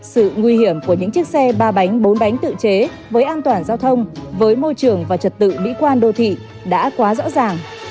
sự nguy hiểm của những chiếc xe ba bánh bốn bánh tự chế với an toàn giao thông với môi trường và trật tự mỹ quan đô thị đã quá rõ ràng